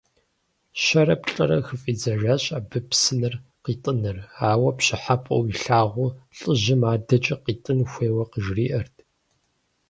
Щэрэ-плӏэрэ хыфӏидзэжащ абы псынэр къэтӏыныр, ауэ пщӏыхьэпӏэу илъагъу лӏыжьым адэкӏэ къитӏын хуейуэ къыжриӏэрт.